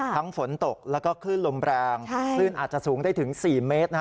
ฝนตกแล้วก็คลื่นลมแรงคลื่นอาจจะสูงได้ถึง๔เมตร